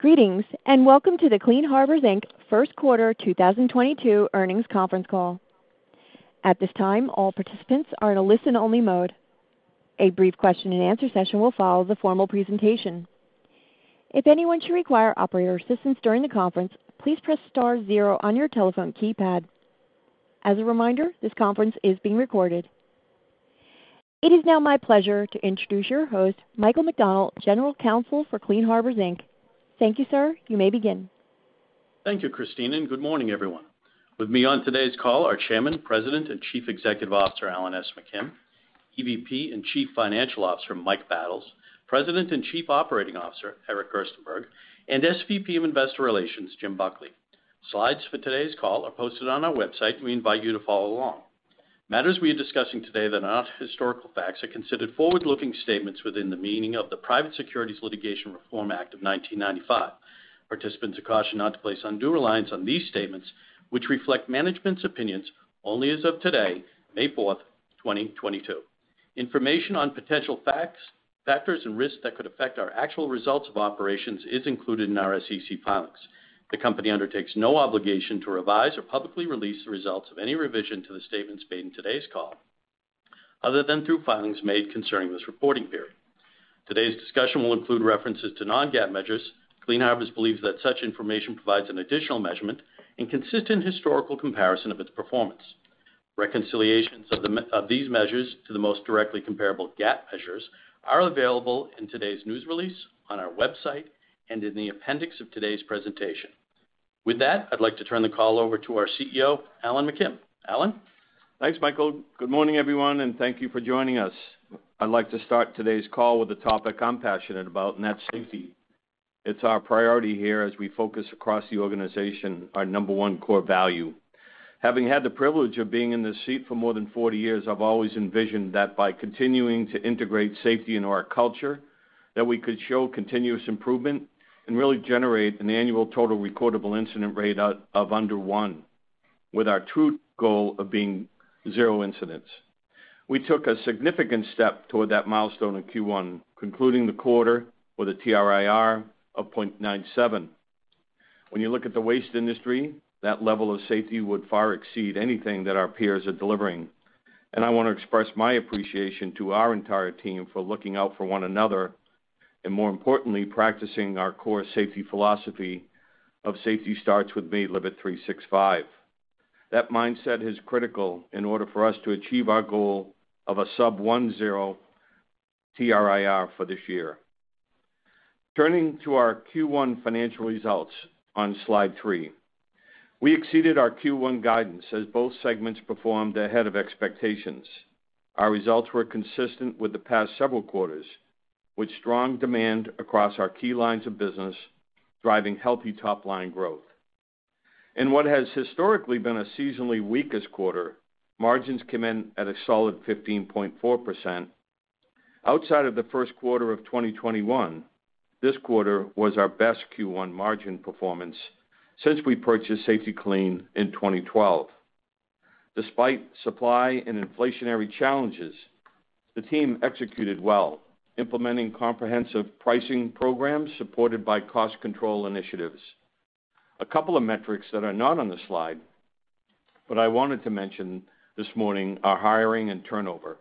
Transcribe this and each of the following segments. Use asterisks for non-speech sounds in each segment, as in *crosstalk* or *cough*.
Greetings, and welcome to the Clean Harbors, Inc. First Quarter 2022 Earnings Conference Call. At this time, all participants are in a listen-only mode. A brief question-and-answer session will follow the formal presentation. If anyone should require operator assistance during the conference, please press star, zero on your telephone keypad. As a reminder, this conference is being recorded. It is now my pleasure to introduce your host, Michael McDonald, General Counsel for Clean Harbors, Inc. Thank you, sir. You may begin. Thank you, Christina, and good morning, everyone. With me on today's call are Chairman, President, and Chief Executive Officer, Alan S. McKim, EVP and Chief Financial Officer, Mike Battles, President and Chief Operating Officer, Eric Gerstenberg, and SVP of Investor Relations, Jim Buckley. Slides for today's call are posted on our website. We invite you to follow along. Matters we are discussing today that are not historical facts are considered forward-looking statements, within the meaning of the Private Securities Litigation Reform Act of 1995. Participants are cautioned not to place undue reliance on these statements, which reflect management's opinions only as of today, May 4th, 2022. Information on potential facts, factors, and risks that could affect our actual results of operations is included in our SEC filings. The company undertakes no obligation to revise or publicly release the results of any revision to the statements made in today's call, other than through filings made concerning this reporting period. Today's discussion will include references to non-GAAP measures. Clean Harbors believes that such information provides an additional measurement, and consistent historical comparison of its performance. Reconciliations of these measures to the most directly comparable GAAP measures are available in today's news release on our website, and in the appendix of today's presentation. With that, I'd like to turn the call over to our CEO, Alan McKim. Alan? Thanks, Michael. Good morning, everyone, and thank you for joining us. I'd like to start today's call with a topic I'm passionate about, and that's safety. It's our priority here as we focus across the organization, our number one core value. Having had the privilege of being in this seat for more than 40 years, I've always envisioned that by continuing to integrate safety into our culture, that we could show continuous improvement and really generate an annual total recordable incident rate of under one, with our true goal of being zero incidents. We took a significant step toward that milestone in Q1, concluding the quarter with a TRIR of 0.97. When you look at the waste industry, that level of safety would far exceed anything that our peers are delivering. I want to express my appreciation to our entire team for looking out for one another and more importantly, practicing our core safety philosophy of Safety Starts with Me, Live It 3-6-5. That mindset is critical in order for us to achieve our goal of a sub-1.0 TRIR for this year. Turning to our Q1 financial results on slide three. We exceeded our Q1 guidance as both segments performed ahead of expectations. Our results were consistent with the past several quarters, with strong demand across our key lines of business, driving healthy top-line growth. In what has historically been a seasonally weakest quarter, margins came in at a solid 15.4%. Outside of the first quarter of 2021, this quarter was our best Q1 margin performance since we purchased Safety-Kleen in 2012. Despite supply and inflationary challenges, the team executed well, implementing comprehensive pricing programs supported by cost control initiatives. A couple of metrics that are not on the slide, but I wanted to mention this morning, are hiring and turnover.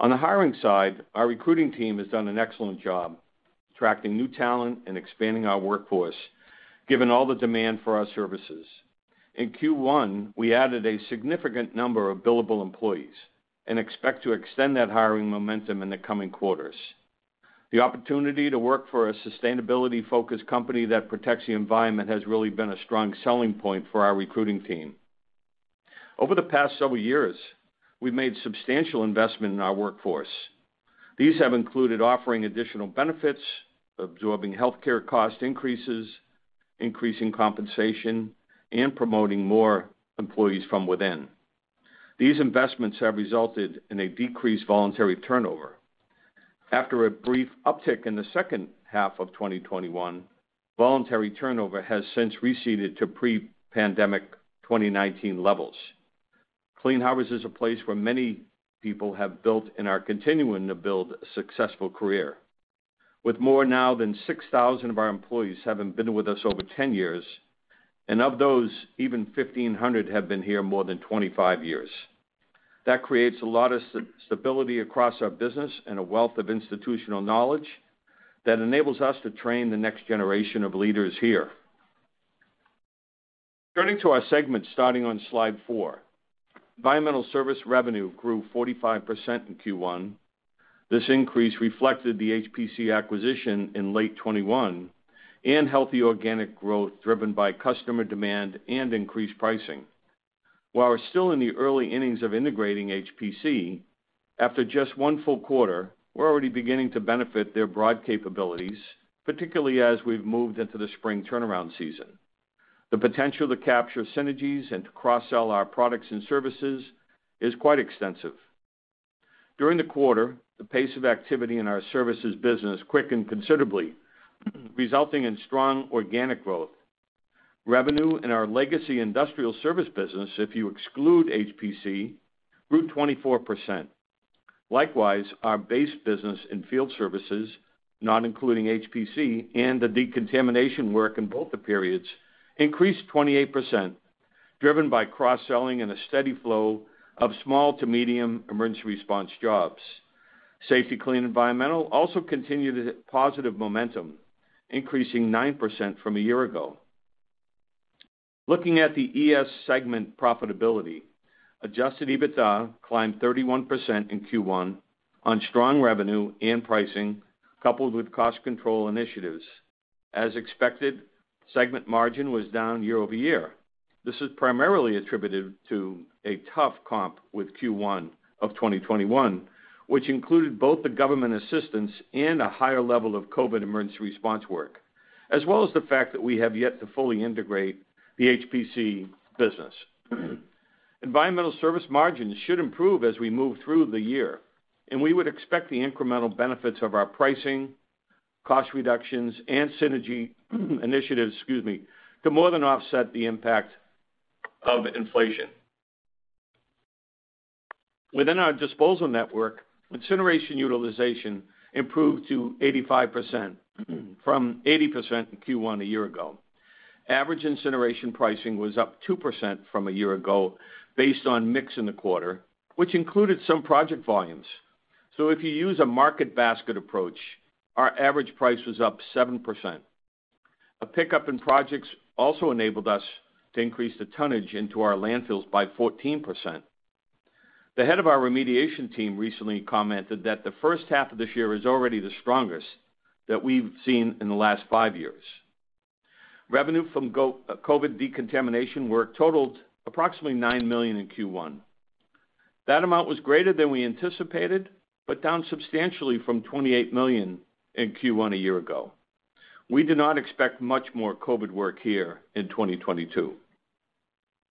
On the hiring side, our recruiting team has done an excellent job attracting new talent and expanding our workforce, given all the demand for our services. In Q1, ,we added a significant number of billable employees, and expect to extend that hiring momentum in the coming quarters. The opportunity to work for a sustainability-focused company that protects the environment, has really been a strong selling point for our recruiting team. Over the past several years, we've made substantial investment in our workforce. These have included offering additional benefits, absorbing healthcare cost increases, increasing compensation, and promoting more employees from within. These investments have resulted in a decreased voluntary turnover. After a brief uptick in the second half of 2021, voluntary turnover has since receded to pre-pandemic 2019 levels. Clean Harbors is a place where many people have built and are continuing to build a successful career, with more now than 6,000 of our employees having been with us over 10 years, and of those, even 1,500 have been here more than 25 years. That creates a lot of stability across our business, and a wealth of institutional knowledge that enables us to train the next generation of leaders here. Turning to our segments starting on slide four. Environmental Services revenue grew 45% in Q1. This increase reflected the HPC acquisition in late 2021, and healthy organic growth driven by customer demand and increased pricing. While we're still in the early innings of integrating HPC, after just one full quarter, we're already beginning to benefit their broad capabilities, particularly as we've moved into the spring turnaround season. The potential to capture synergies, and to cross-sell our products and services is quite extensive. During the quarter, the pace of activity in our services business quickened considerably, resulting in strong organic growth. Revenue in our legacy industrial service business, if you exclude HPC, grew 24%. Likewise, our base business in field services, not including HPC and the decontamination work in both the periods, increased 28%, driven by cross-selling and a steady flow of small to medium emergency response jobs. Safety-Kleen Environmental also continued positive momentum, increasing 9% from a year ago. Looking at the ES segment profitability, adjusted EBITDA climbed 31% in Q1 on strong revenue and pricing, coupled with cost control initiatives. As expected, segment margin was down year-over-year. This is primarily attributed to a tough comp with Q1 of 2021, which included both the government assistance and a higher level of COVID emergency response work, as well as the fact that we have yet to fully integrate the HPC business. Environmental service margins should improve as we move through the year, and we would expect the incremental benefits of our pricing, cost reductions, and synergy initiatives, excuse me, to more than offset the impact of inflation. Within our disposal network, incineration utilization improved to 85% from 80% in Q1 a year ago. Average incineration pricing was up 2% from a year ago based on mix in the quarter, which included some project volumes. If you use a market basket approach, our average price was up 7%. A pickup in projects also enabled us to increase the tonnage into our landfills by 14%. The head of our remediation team recently commented that the first half of this year is already the strongest that we've seen in the last five years. Revenue from COVID decontamination work totaled approximately $9 million in Q1. That amount was greater than we anticipated, but down substantially from $28 million in Q1 a year ago. We do not expect much more COVID work here in 2022.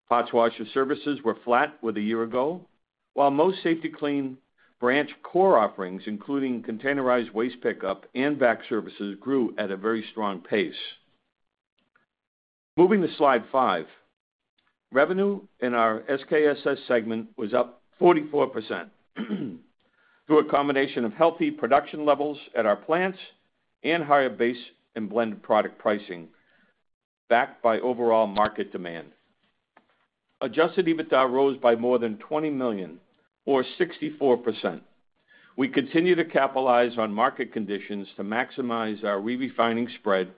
Parts washer services were flat with a year ago, while most Safety-Kleen branch core offerings, including containerized waste pickup and VAC services grew at a very strong pace. Moving to slide five. Revenue in our SKSS segment was up 44% through a combination of healthy production levels at our plants, and higher base and blended product pricing, backed by overall market demand. Adjusted EBITDA rose by more than $20 million or 64%. We continue to capitalize on market conditions to maximize our re-refining spread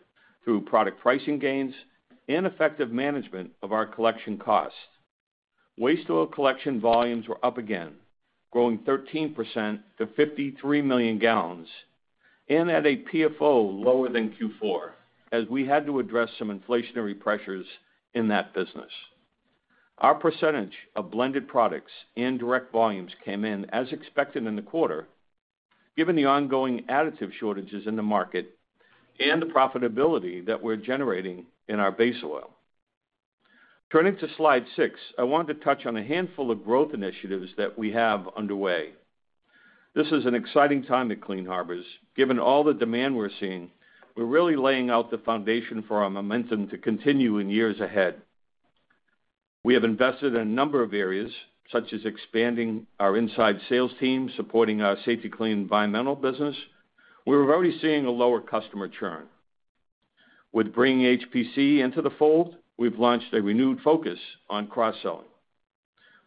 through product pricing gains, and effective management of our collection costs. Waste oil collection volumes were up again, growing 13% to 53 million gallons, and at a PFO lower than Q4, as we had to address some inflationary pressures in that business. Our percentage of blended products and direct volumes came in as expected in the quarter, given the ongoing additive shortages in the market and the profitability that we're generating in our base oil. Turning to slide six, I want to touch on a handful of growth initiatives that we have underway. This is an exciting time at Clean Harbors. Given all the demand we're seeing, we're really laying out the foundation for our momentum to continue in years ahead. We have invested in a number of areas, such as expanding our inside sales team, supporting our Safety-Kleen Environmental business. We're already seeing a lower customer churn. With bringing HPC into the fold, we've launched a renewed focus on cross-selling.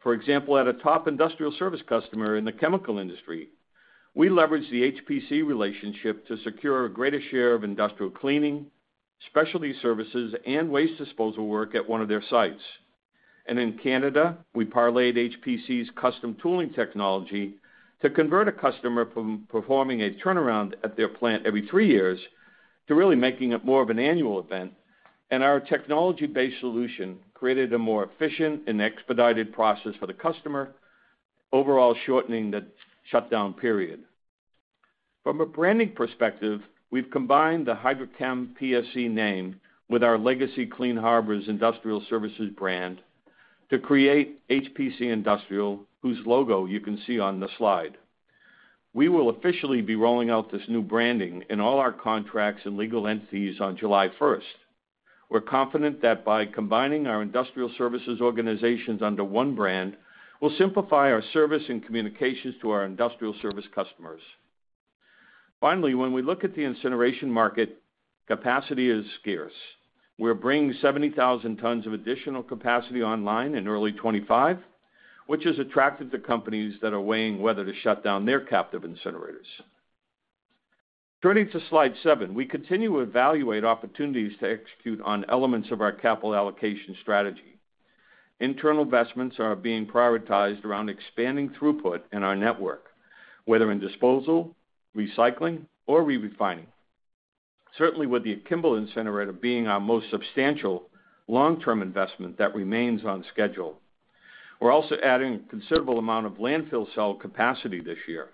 For example, at a top industrial service customer in the chemical industry, we leveraged the HPC relationship to secure a greater share of industrial cleaning, specialty services, and waste disposal work at one of their sites. In Canada, we parlayed HPC's custom tooling technology to convert a customer from performing a turnaround at their plant every three years, to really making it more of an annual event. Our technology-based solution created a more efficient and expedited process for the customer, overall shortening the shutdown period. From a branding perspective, we've combined the HydroChemPSC name with our legacy Clean Harbors Industrial Services brand, to create HPC Industrial, whose logo you can see on the slide. We will officially be rolling out this new branding in all our contracts and legal entities on July first. We're confident that by combining our industrial services organizations under one brand, we'll simplify our service and communications to our industrial service customers. Finally, when we look at the incineration market, capacity is scarce. We're bringing 70,000 t of additional capacity online in early 2025, which has attracted the companies that are weighing whether to shut down their captive incinerators. Turning to slide seven, we continue to evaluate opportunities to execute on elements of our capital allocation strategy. Internal investments are being prioritized around expanding throughput in our network, whether in disposal, recycling, or re-refining. Certainly, with the Kimball Incineration Facility being our most substantial long-term investment that remains on schedule, we're also adding a considerable amount of landfill cell capacity this year.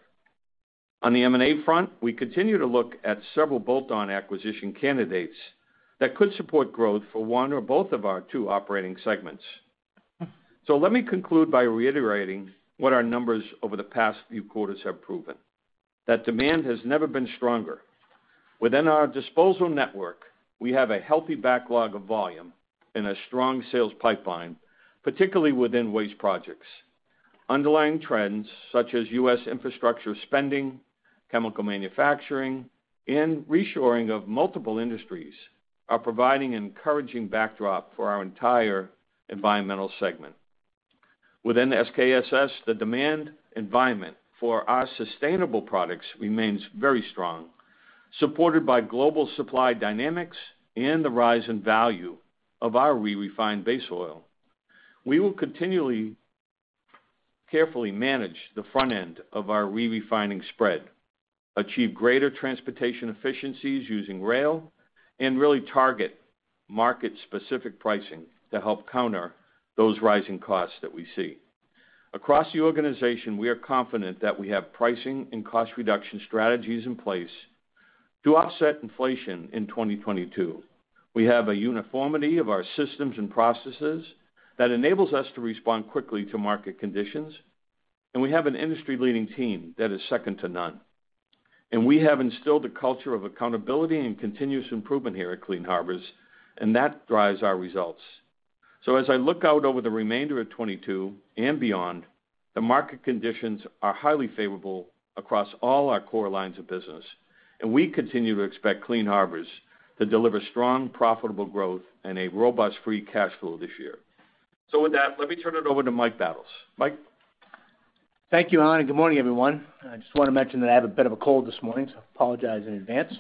On the M&A front, we continue to look at several bolt-on acquisition candidates that could support growth for one or both of our two operating segments. Let me conclude by reiterating what our numbers over the past few quarters have proven. That demand has never been stronger. Within our disposal network, we have a healthy backlog of volume and a strong sales pipeline, particularly within waste projects. Underlying trends such as U.S. infrastructure spending, chemical manufacturing, and reshoring of multiple industries are providing encouraging backdrop for our entire environmental segment. Within SKSS, the demand environment for our sustainable products remains very strong, supported by global supply dynamics and the rise in value of our re-refined base oil. We will continually carefully manage the front end of our re-refining spread, achieve greater transportation efficiencies using rail, and really target market-specific pricing to help counter those rising costs that we see. Across the organization, we are confident that we have pricing and cost reduction strategies in place to offset inflation in 2022. We have a uniformity of our systems and processes that enables us to respond quickly to market conditions, and we have an industry-leading team that is second to none. We have instilled a culture of accountability and continuous improvement here at Clean Harbors, and that drives our results. As I look out over the remainder of 2022 and beyond, the market conditions are highly favorable across all our core lines of business, and we continue to expect Clean Harbors to deliver strong, profitable growth and a robust free cash flow this year. With that, let me turn it over to Mike Battles. Mike? Thank you, Alan, and good morning, everyone. I just want to mention that I have a bit of a cold this morning, so I apologize in advance.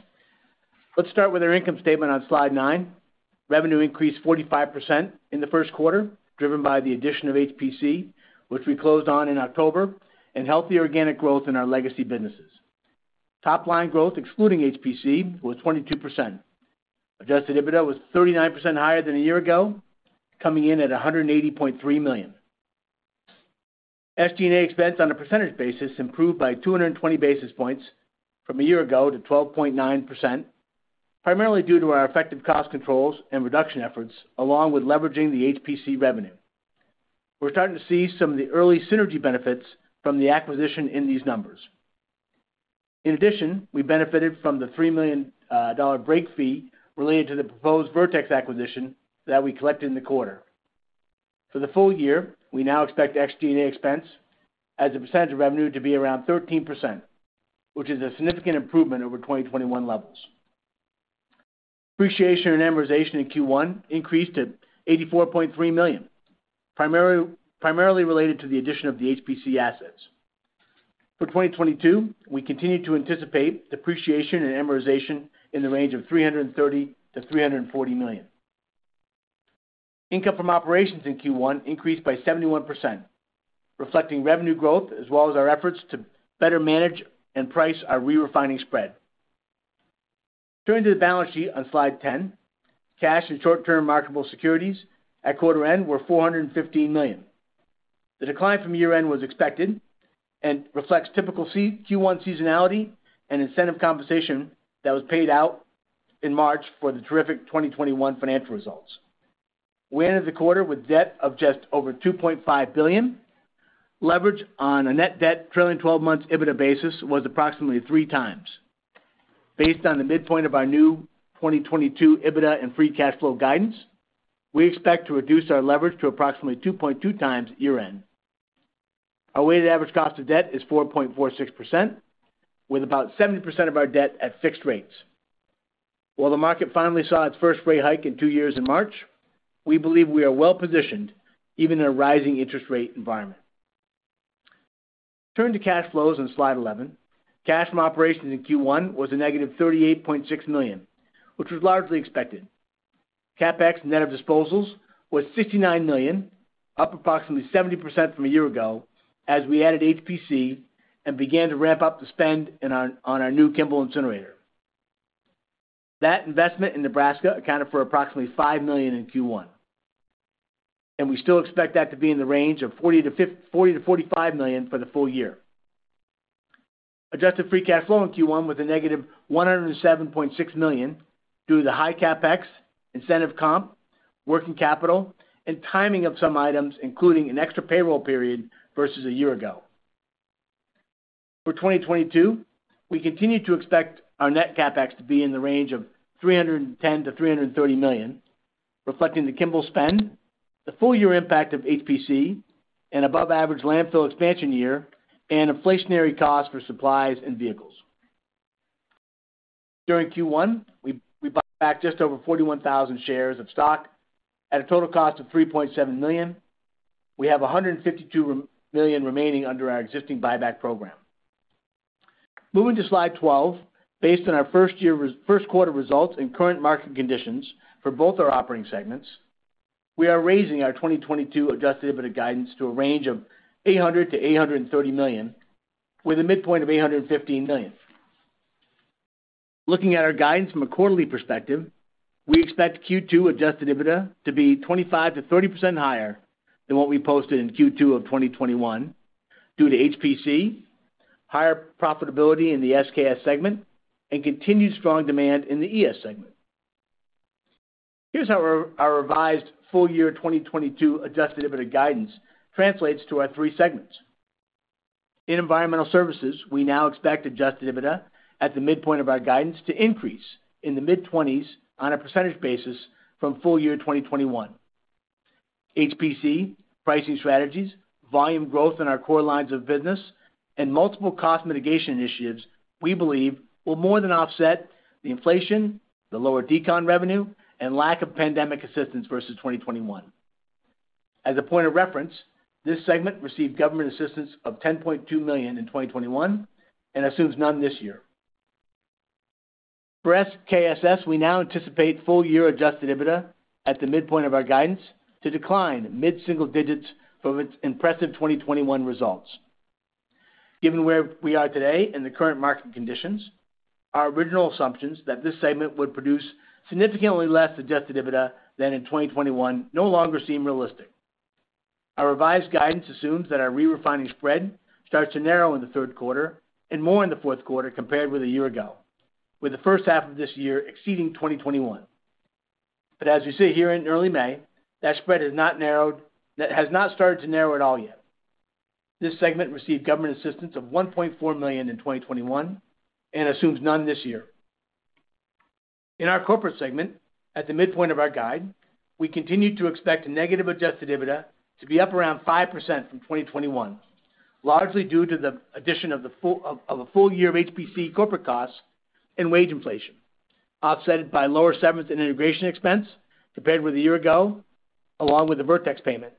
Let's start with our income statement on slide nine. Revenue increased 45% in the first quarter, driven by the addition of HPC, which we closed on in October, and healthy organic growth in our legacy businesses. Top-line growth, excluding HPC, was 22%. Adjusted EBITDA was 39% higher than a year ago, coming in at $180.3 million. SG&A expense on a percentage basis improved by 220 basis points from a year ago to 12.9%, primarily due to our effective cost controls and reduction efforts, along with leveraging the HPC revenue. We're starting to see some of the early synergy benefits from the acquisition in these numbers. In addition, we benefited from the $3 million break fee related to the proposed Vertex acquisition that we collected in the quarter. For the full year, we now expect SG&A expense as a percentage of revenue to be around 13%, which is a significant improvement over 2021 levels. Depreciation and amortization in Q1 increased to $84.3 million, primarily related to the addition of the HPC assets. For 2022, we continue to anticipate depreciation, and amortization in the range of $330 million-$340 million. Income from operations in Q1 increased by 71%, reflecting revenue growth as well as our efforts to better manage and price our re-refining spread. Turning to the balance sheet on slide 10, cash and short-term marketable securities at quarter end were $415 million. The decline from year-end was expected, and reflects typical *audio distortion* Q1 seasonality and incentive compensation that was paid out in March for the terrific 2021 financial results. We ended the quarter with debt of just over $2.5 billion. Leverage on a net debt trailing 12 months EBITDA basis was approximately 3x. Based on the midpoint of our new 2022 EBITDA and free cash flow guidance, we expect to reduce our leverage to approximately 2.2x year-end. Our weighted average cost of debt is 4.46%, with about 70% of our debt at fixed rates. While the market finally saw its first rate hike in two years in March, we believe we are well-positioned even in a rising interest rate environment. Turning to cash flows on slide 11. Cash from operations in Q1 was -$38.6 million, which was largely expected. CapEx net of disposals was $69 million, up approximately 70% from a year ago as we added HPC and began to ramp up the spend on our new Kimball incinerator. That investment in Nebraska accounted for approximately $5 million in Q1, and we still expect that to be in the range of $40 milion-$45 million for the full year. Adjusted free cash flow in Q1 was -$107.6 million due to the high CapEx, incentive comp, working capital, and timing of some items, including an extra payroll period versus a year ago. For 2022, we continue to expect our net CapEx to be in the range of $310 million-$330 million, reflecting the Kimball spend, the full year impact of HPC, an above average landfill expansion year, and inflationary cost for supplies and vehicles. During Q1, we bought back just over 41,000 shares of stock at a total cost of $3.7 million. We have $152 million remaining under our existing buyback program. Moving to slide 12. Based on our first quarter results and current market conditions for both our operating segments, we are raising our 2022 adjusted EBITDA guidance to a range of $800 million-$830 million, with a midpoint of $815 million. Looking at our guidance from a quarterly perspective, we expect Q2 adjusted EBITDA to be 25%-30% higher than what we posted in Q2 of 2021 due to HPC, higher profitability in the SKSS segment, and continued strong demand in the ES segment. Here's how our revised full year 2022 adjusted EBITDA guidance translates to our three segments. In environmental services, we now expect adjusted EBITDA at the midpoint of our guidance to increase in the mid-20s on a percentage basis from full year 2021. HPC pricing strategies, volume growth in our core lines of business, and multiple cost mitigation initiatives, we believe will more than offset the inflation, the lower decon revenue, and lack of pandemic assistance versus 2021. As a point of reference, this segment received government assistance of $10.2 million in 2021 and assumes none this year. For SKSS, we now anticipate full-year adjusted EBITDA at the midpoint of our guidance, to decline mid-single digits from its impressive 2021 results. Given where we are today and the current market conditions, our original assumptions that this segment would produce significantly less adjusted EBITDA than in 2021 no longer seem realistic. Our revised guidance assumes that our re-refining spread starts to narrow in the third quarter, and more in the fourth quarter compared with a year ago, with the first half of this year exceeding 2021. As you see here in early May, that spread has not started to narrow at all yet. This segment received government assistance of $1.4 million in 2021, and assumes none this year. In our corporate segment, at the midpoint of our guide, we continue to expect negative adjusted EBITDA to be up around 5% from 2021, largely due to the addition of a full year of HPC corporate costs and wage inflation, offset by lower severance and integration expense compared with a year ago, along with the Vertex payment.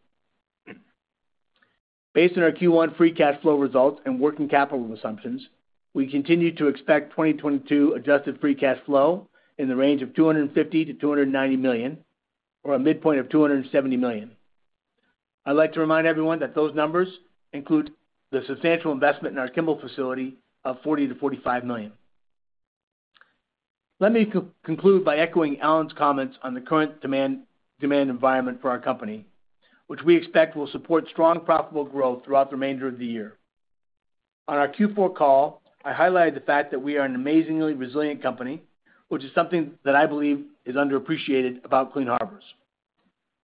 Based on our Q1 free cash flow results and working capital assumptions, we continue to expect 2022 adjusted free cash flow in the range of $250 million-$290 million, or a midpoint of $270 million. I'd like to remind everyone that those numbers include the substantial investment in our Kimball facility of $40 million-$45 million. Let me conclude by echoing Alan's comments on the current demand environment for our company, which we expect will support strong, profitable growth throughout the remainder of the year. On our Q4 call, I highlighted the fact that we are an amazingly resilient company, which is something that I believe is underappreciated about Clean Harbors.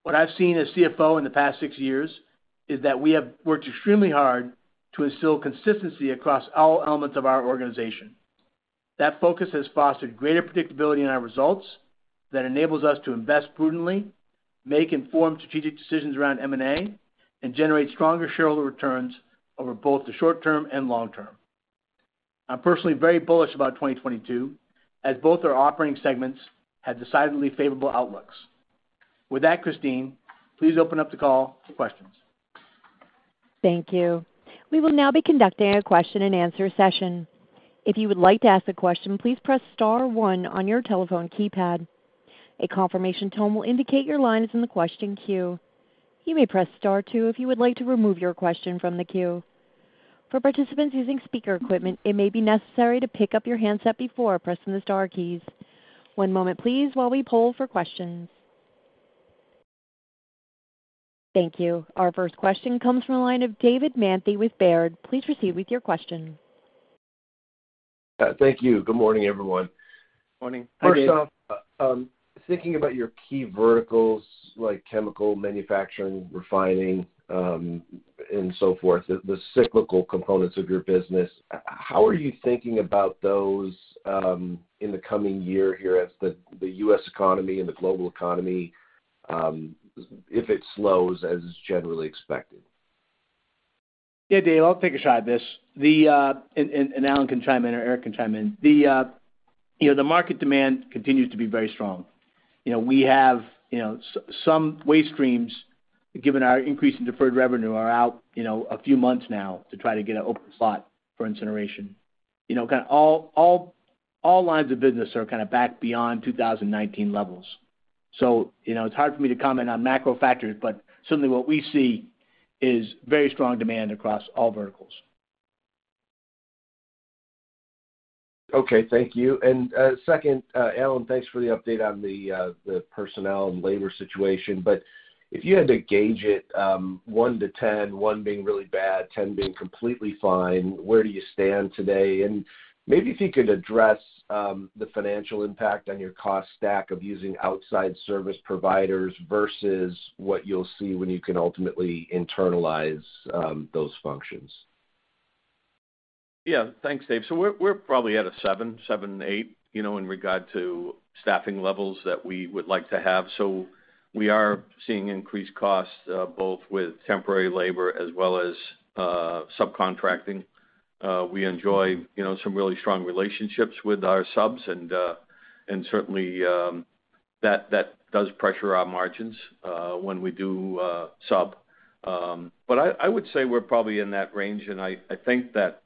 What I've seen as CFO in the past six years, is that we have worked extremely hard to instill consistency across all elements of our organization. That focus has fostered greater predictability in our results that enables us to invest prudently, make informed strategic decisions around M&A, and generate stronger shareholder returns over both the short term and long term. I'm personally very bullish about 2022, as both our operating segments have decidedly favorable outlooks. With that, Christine, please open up the call for questions. Thank you. We will now be conducting a question-and-answer session. If you would like to ask a question, please press star, one on your telephone keypad. A confirmation tone will indicate your line is in the question queue. You may press star, two if you would like to remove your question from the queue. For participants using speaker equipment, it may be necessary to pick up your handset before pressing the star keys. One moment please while we poll for questions. Thank you. Our first question comes from the line of David Manthey with Baird. Please proceed with your question. Thank you. Good morning, everyone. Morning. Morning. First off, thinking about your key verticals like chemical manufacturing, refining, and so forth, the cyclical components of your business, how are you thinking about those in the coming year here as the U.S. economy and the global economy if it slows as generally expected? Yeah. Dave, I'll take a shot at this and Alan can chime in or Eric can chime in. You know, the market demand continues to be very strong. You know, we have, you know, some waste streams, given our increase in deferred revenue are out, you know, a few months now, to try to get an open slot for incineration. You know, kind of all lines of business are kind of back beyond 2019 levels. You know, it's hard for me to comment on macro factors, but certainly, what we see is very strong demand across all verticals. Okay, thank you. Second, Alan, thanks for the update on the personnel and labor situation. If you had to gauge it, one to 10, one being really bad, 10 being completely fine, where do you stand today? Maybe if you could address the financial impact on your cost stack of using outside service providers versus what you'll see when you can ultimately internalize those functions. Yeah. Thanks, Dave. We're probably at a seven to eight, you know, in regard to staffing levels that we would like to have. We are seeing increased costs, both with temporary labor as well as subcontracting. We enjoy, you know, some really strong relationships with our subs, and certainly that does pressure our margins when we do sub. I would say we're probably in that range, and I think that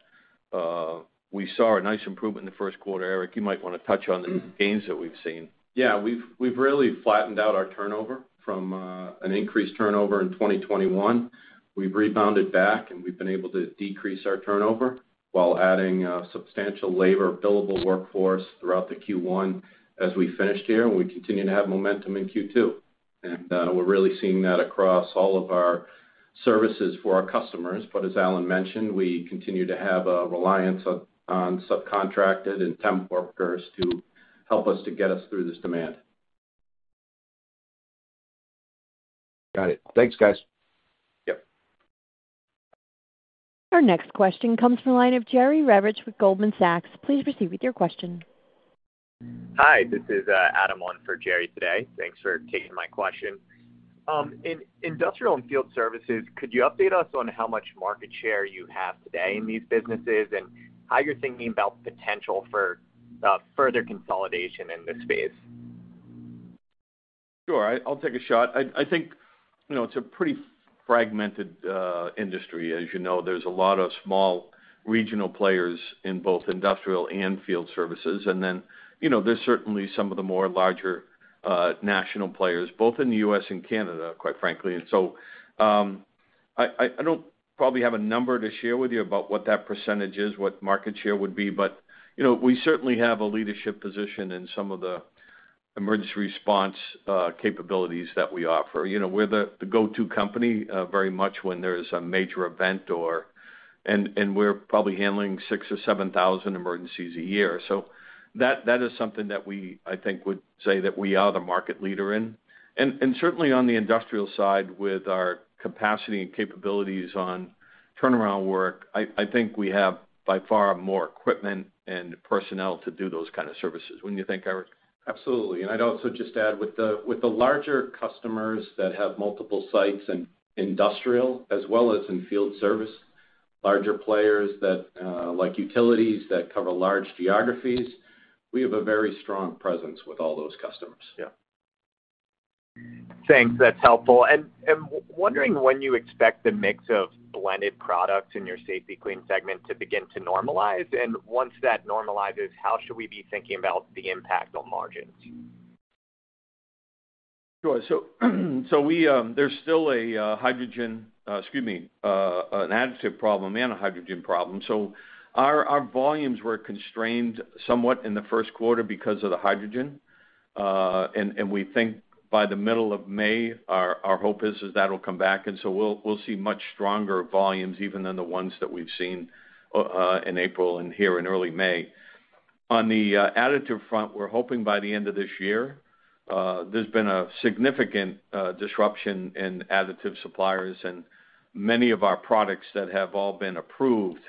we saw a nice improvement in the first quarter. Eric, you might want to touch on the gains that we've seen. Yeah. We've really flattened out our turnover from an increased turnover in 2021. We've rebounded back, and we've been able to decrease our turnover while adding substantial labor billable workforce throughout the Q1 as we finished here, and we continue to have momentum in Q2. We're really seeing that across all of our services for our customers. As Alan mentioned, we continue to have a reliance on subcontracted and temp workers to help us get through this demand. Got it. Thanks, guys. Yep. Our next question comes from the line of Jerry Revich with Goldman Sachs. Please proceed with your question. Hi, this is Adam on for Jerry today. Thanks for taking my question. In industrial and field services, could you update us on how much market share you have today in these businesses and how you're thinking about potential for further consolidation in this space? Sure. I'll take a shot. I think, you know, it's a pretty fragmented industry. As you know, there's a lot of small regional players in both industrial and field services. Then you know, there's certainly some of the more larger national players, both in the U.S. and Canada quite frankly. I don't probably have a number to share with you about what that percentage is, what market share would be, but, you know, we certainly have a leadership position in some of the emergency response capabilities that we offer. You know, we're the go-to company very much when there's a major event. We're probably handling 6,000-7,000 emergencies a year. That is something that we, I think, would say that we are the market leader in. Certainly on the industrial side with our capacity and capabilities on turnaround work, I think we have by far more equipment and personnel to do those kind of services. Wouldn't you think, Eric? Absolutely. I'd also just add, with the larger customers that have multiple sites in industrial as well as in field service, larger players like utilities that cover large geographies, we have a very strong presence with all those customers. Yeah. Thanks, that's helpful. Wondering when you expect the mix of blended products in your Safety-Kleen segment to begin to normalize. Once that normalizes, how should we be thinking about the impact on margins? Sure. There's still an additive problem and a hydrogen problem. Our volumes were constrained somewhat in the first quarter because of the hydrogen. We think by the middle of May, our hope is that'll come back, and so we'll see much stronger volumes even than the ones that we've seen in April and here in early May. On the additive front, we're hoping by the end of this year. There's been a significant disruption in additive suppliers and many of our products that have all been approved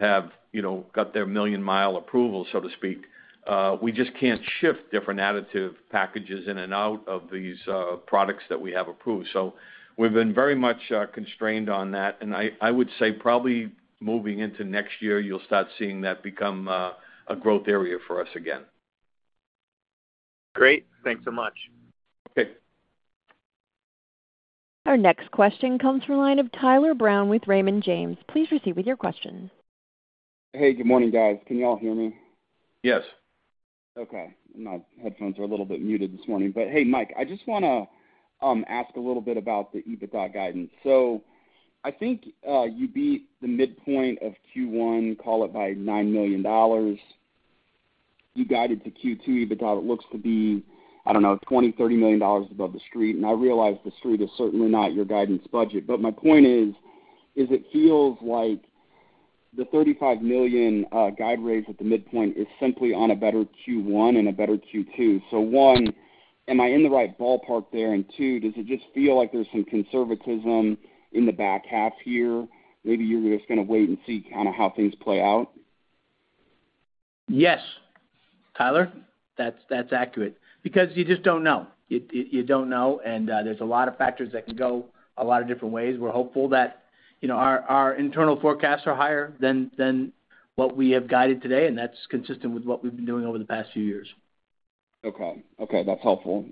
have, you know, got their million-mile approval, so to speak. We just can't shift different additive packages in and out of these products that we have approved. We've been very much constrained on that. I would say probably moving into next year, you'll start seeing that become a growth area for us again. Great. Thanks so much. Okay. Our next question comes from the line of Tyler Brown with Raymond James. Please proceed with your question. Hey, good morning, guys. Can you all hear me? Yes. Okay. My headphones are a little bit muted this morning. Hey, Mike, I just want to ask a little bit about the EBITDA guidance. I think you beat the midpoint of Q1, call it by $9 million. You guided to Q2, EBITDA looks to be, I don't know, $20 million-$30 million above The Street. I realize The Street is certainly not your guidance budget. My point is, it feels like the $35 million guide raise at the midpoint is simply on a better Q1 and a better Q2. One, am I in the right ballpark there? Two, does it just feel like there's some conservatism in the back half here? Maybe you're just going to wait and see kind of how things play out. Yes, Tyler, that's accurate because you just don't know. You don't know, and there's a lot of factors that can go a lot of different ways. We're hopeful that, you know, our internal forecasts are higher than what we have guided today, and that's consistent with what we've been doing over the past few years. Okay, that's helpful.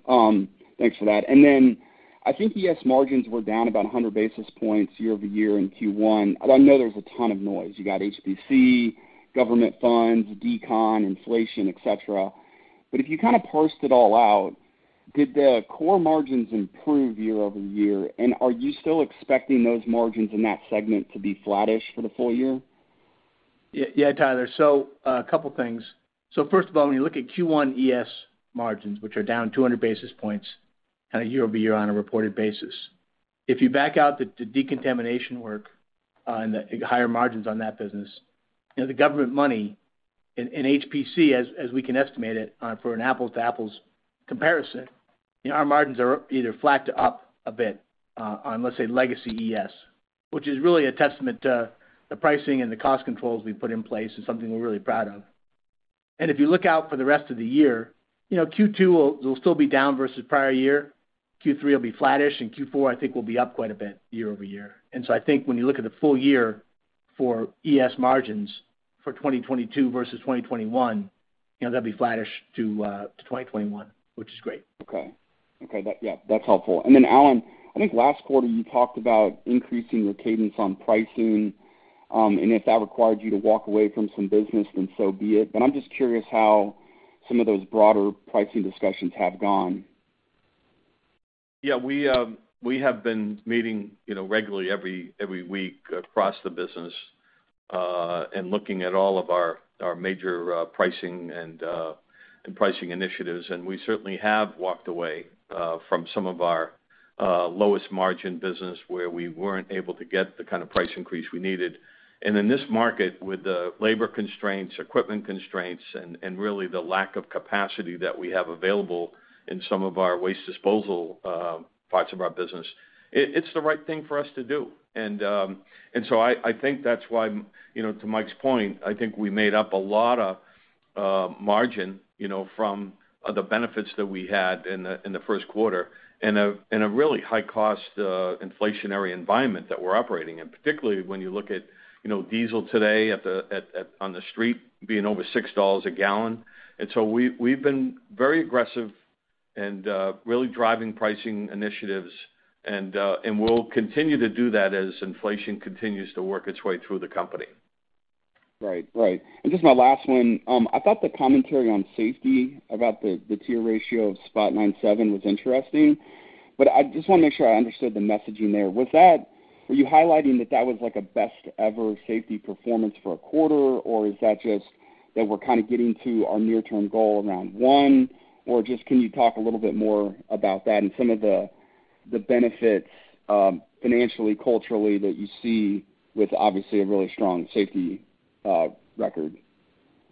Thanks for that. Then I think ES margins were down about 100 basis points year-over-year in Q1. I know there's a ton of noise. You got HPC, government funds, decon, inflation, etc. If you kind of parse it all out, did the core margins improve year-over-year? Are you still expecting those margins in that segment to be flattish for the full year? Yeah, Tyler. A couple things. First of all, when you look at Q1 ES margins, which are down 200 basis points kind of year-over-year on a reported basis, if you back out the decontamination work and the higher margins on that business, you know, the government money and HPC, as we can estimate it for an apples to apples comparison, our margins are either flat to up a bit on, let's say, legacy ES, which is really a testament to the pricing and the cost controls we put in place. It's something we're really proud of. If you look out for the rest of the year, you know, Q2 will still be down versus prior year, Q3 will be flattish, and Q4, I think will be up quite a bit year-over-year. I think when you look at the full year for ES margins for 2022 versus 2021, you know, that'd be flattish to 2021, which is great. Okay. Yeah, that's helpful. Then, Alan, I think last quarter you talked about increasing your cadence on pricing, and if that required you to walk away from some business, then so be it. I'm just curious how some of those broader pricing discussions have gone. Yeah, we have been meeting, you know, regularly every week across the business, and looking at all of our major pricing initiatives, and we certainly have walked away from some of our lowest margin business where we weren't able to get the kind of price increase we needed. In this market, with the labor constraints, equipment constraints and really the lack of capacity that we have available in some of our waste disposal parts of our business, it's the right thing for us to do. I think that's why, you know, to Mike's point, I think we made up a lot of margin, you know, from the benefits that we had in the first quarter in a really high-cost inflationary environment that we're operating in. Particularly when you look at, you know, diesel today on the street being over $6 a gallon. We've been very aggressive and really driving pricing initiatives, and we'll continue to do that as inflation continues to work its way through the company. Right. Just my last one, I thought the commentary on safety about the TRIR of 0.97 was interesting, but I just want to make sure I understood the messaging there. Were you highlighting that was like a best ever safety performance for a quarter, or is that just that we're kind of getting to our near-term goal around one? Or just, can you talk a little bit more about that and some of the benefits financially, culturally that you see with obviously a really strong safety record?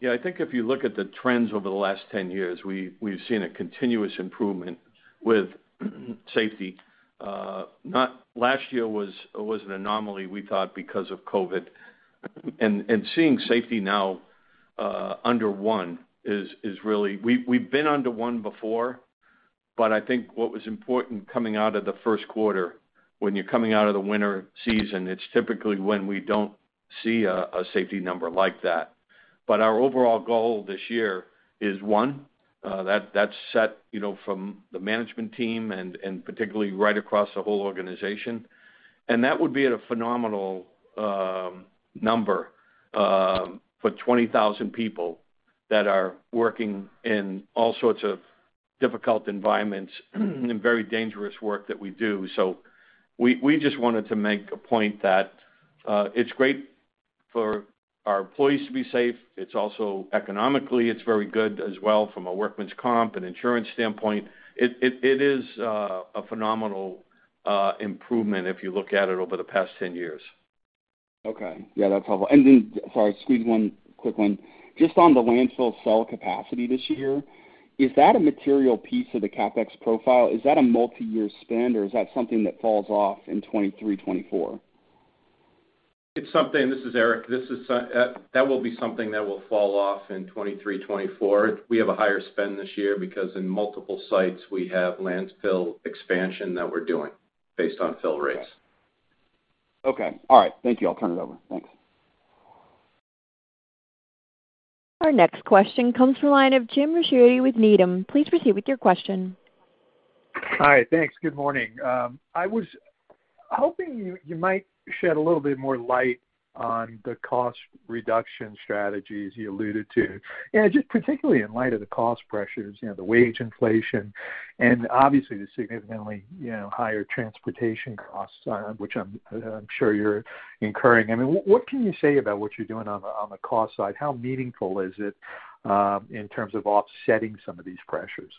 Yeah. I think if you look at the trends over the last 10 years, we've seen a continuous improvement with safety. Last year was an anomaly, we thought, because of COVID. Seeing safety now under one is, we've been under one before, but I think what was important coming out of the first quarter, when you're coming out of the winter season, it's typically when we don't see a safety number like that. Our overall goal this year is one, that's set, you know, from the management team and particularly right across the whole organization. That would be a phenomenal number for 20,000 people that are working in all sorts of difficult environments, and very dangerous work that we do. We just wanted to make a point that it's great for our employees to be safe. It's also economically very good as well from a workman's comp and insurance standpoint. It is a phenomenal improvement if you look at it over the past 10 years. Okay. Yeah, that's helpful. Sorry, squeezing one quick one. Just on the landfill cell capacity this year, is that a material piece of the CapEx profile? Is that a multiyear spend, or is that something that falls off in 2023, 2024? *audio distortion* this is Eric. That will be something that will fall off in 2023, 2024. We have a higher spend this year, because in multiple sites, we have landfill expansion that we're doing based on fill rates. Okay. All right. Thank you. I'll turn it over. Thanks. Our next question comes from the line of Jim Ricchiuti with Needham. Please proceed with your question. Hi. Thanks. Good morning. I was hoping you might shed a little bit more light on the cost reduction strategies you alluded to. Just particularly in light of the cost pressures, you know, the wage inflation and obviously the significantly, you know, higher transportation costs, which I'm sure you're incurring. I mean, what can you say about what you're doing on the cost side? How meaningful is it in terms of offsetting some of these pressures?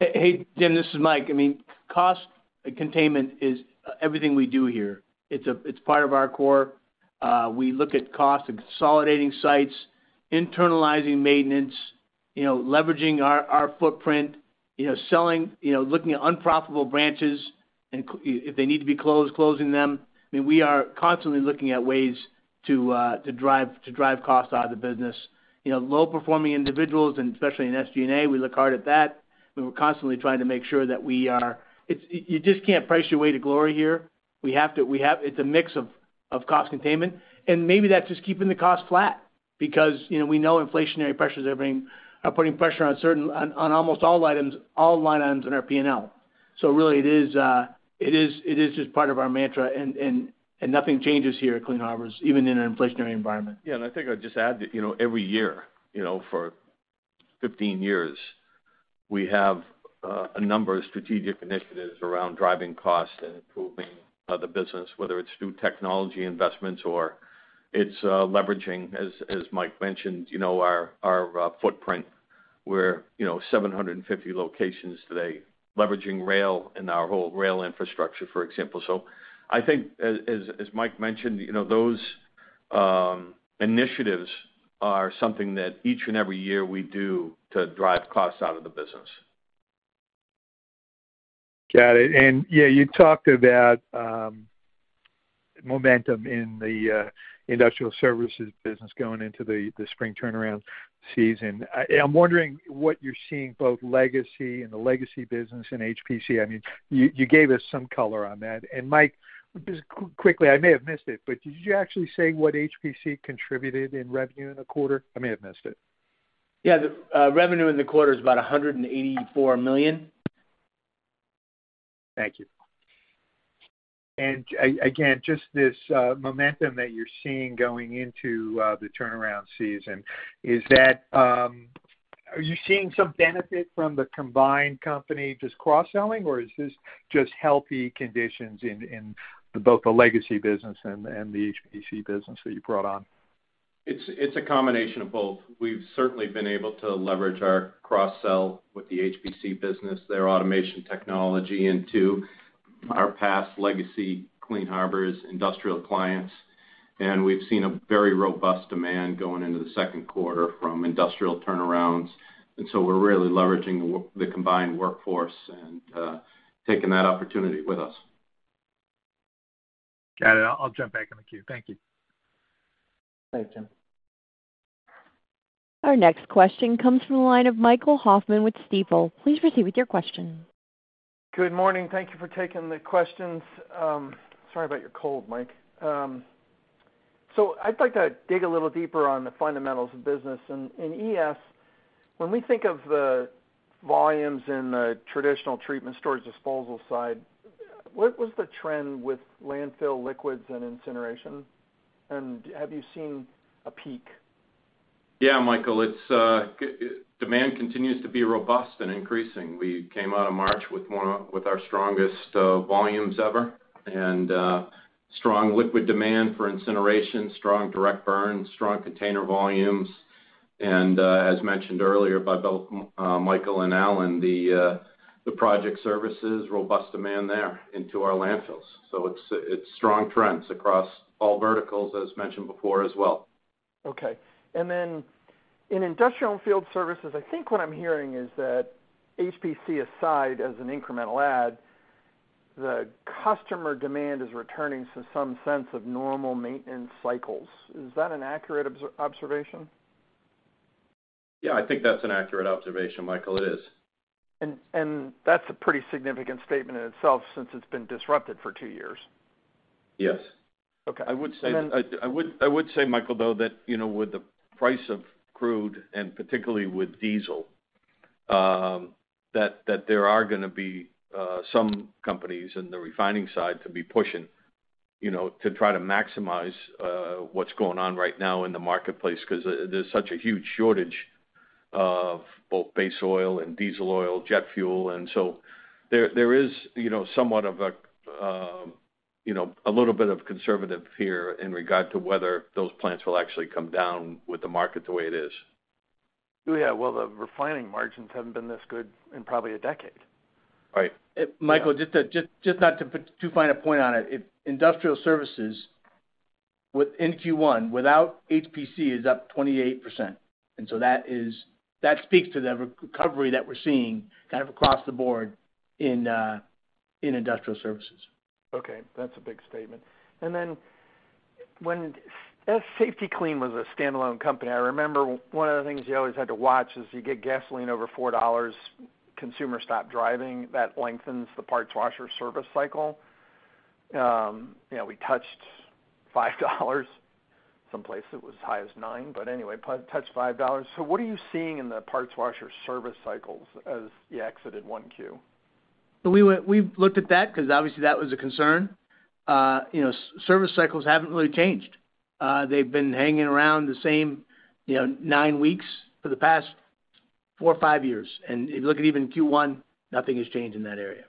Hey, Jim, this is Mike. I mean, cost containment is everything we do here. It's part of our core. We look at cost and consolidating sites, internalizing maintenance, you know, leveraging our footprint, you know, selling, you know, looking at unprofitable branches, and if they need to be closed, closing them. I mean, we are constantly looking at ways to drive costs out of the business. You know, low-performing individuals and especially in SG&A, we look hard at that. We were constantly trying to make sure, you just can't price your way to glory here. It's a mix of cost containment, and maybe that's just keeping the cost flat because, you know, we know inflationary pressures are putting pressure on almost all line items in our P&L. Really, it is just part of our mantra and nothing changes here at Clean Harbors, even in an inflationary environment. Yeah. I think I'll just add that, you know, every year, you know, for 15 years, we have a number of strategic initiatives around driving costs and improving the business, whether it's through technology investments or it's leveraging, as Mike mentioned, you know, our footprint. We're, you know, 750 locations today, leveraging rail and our whole rail infrastructure, for example. I think as Mike mentioned, you know, those initiatives are something that each and every year we do to drive costs out of the business. Got it. Yeah, you talked about momentum in the industrial services business going into the spring turnaround season. I'm wondering what you're seeing, both in the legacy business and HPC. I mean, you gave us some color on that. Mike, just quickly, I may have missed it, but did you actually say what HPC contributed in revenue in the quarter? I may have missed it. Yeah. The revenue in the quarter is about $184 million. Thank you. Again, just this momentum that you're seeing going into the turnaround season, are you seeing some benefit from the combined company just cross-selling? Or is this just healthy conditions in both the legacy business and the HPC business that you brought on? It's a combination of both. We've certainly been able to leverage our cross-sell with the HPC business, their automation technology into our past legacy, Clean Harbors industrial clients. We've seen a very robust demand going into the second quarter from industrial turnarounds. We're really leveraging the combined workforce and taking that opportunity with us. Got it. I'll jump back in the queue. Thank you. Thank you. Our next question comes from the line of Michael Hoffman with Stifel. Please proceed with your question. Good morning. Thank you for taking the questions. Sorry about your cold, Mike. I'd like to dig a little deeper on the fundamentals of business. In ES, when we think of the volumes in the traditional treatment storage disposal side, what was the trend with landfill liquids and incineration? Have you seen a peak? Yeah, Michael, demand continues to be robust and increasing. We came out of March with our strongest volumes ever, and strong liquid demand for incineration, strong direct burn, strong container volumes. As mentioned earlier by both Michael and Alan, the project services, robust demand there into our landfills, so it's strong trends across all verticals as mentioned before as well. Okay. In industrial field services, I think what I'm hearing is that HPC aside, as an incremental add, the customer demand is returning to some sense of normal maintenance cycles. Is that an accurate observation? Yeah, I think that's an accurate observation, Michael. It is. That's a pretty significant statement in itself since it's been disrupted for two years. Yes. Okay. I would say Michael though, that, you know, with the price of crude, and particularly with diesel, that there are going to be some companies in the refining side to be pushing, you know, to try to maximize what's going on right now in the marketplace, because there's such a huge shortage of both base oil and diesel oil, jet fuel. There is, you know, somewhat of a little bit of conservative fear in regard to whether those plants will actually come down with the market the way it is. Oh, yeah. Well, the refining margins haven't been this good in probably a decade. Right. Michael, just not to put too fine a point on it, if industrial services in Q1, without HPC is up 28%. That speaks to the recovery that we're seeing kind of across the board in industrial services. Okay, that's a big statement. Then as Safety-Kleen was a standalone company, I remember one of the things you always had to watch as you get gasoline over $4, consumers stop driving. That lengthens the parts washer service cycle. You know, we touched $5, someplace it was high as $9, but anyway, touched $5. What are you seeing in the parts washer service cycles as you exited 1Q? We've looked at that because obviously that was a concern. You know, service cycles haven't really changed. They've been hanging around the same, you know, nine weeks for the past four or five years. If you look at even Q1, nothing has changed in that area.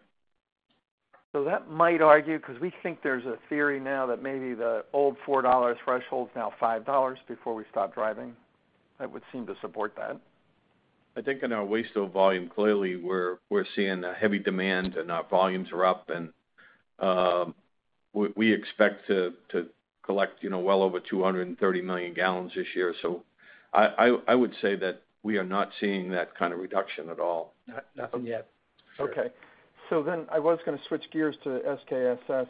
That might argue, because we think there's a theory now that maybe the old $4 threshold's now $5 before we stop driving, that would seem to support that. I think in our waste oil volume, clearly, we're seeing a heavy demand and our volumes are up and we expect to collect, you know, well over 230 million gallons this year. I would say that we are not seeing that kind of reduction at all. Nothing yet. Sure. Okay. I was going to switch gears to SKSS.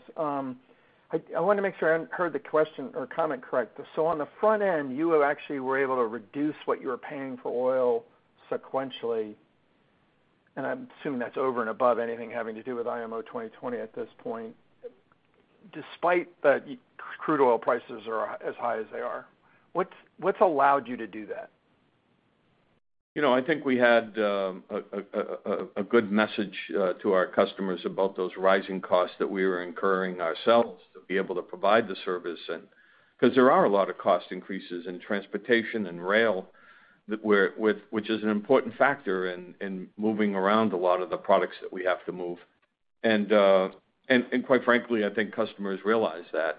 I want to make sure I heard the question or comment correct. On the front end, you actually were able to reduce what you were paying for oil sequentially, and I'm assuming that's over and above anything having to do with IMO 2020 at this point, despite that crude oil prices are as high as they are. What's allowed you to do that? You know, I think we had a good message to our customers about those rising costs that we were incurring ourselves to be able to provide the service, because there are a lot of cost increases in transportation and rail, which is an important factor in moving around a lot of the products that we have to move. Quite frankly, I think customers realize that.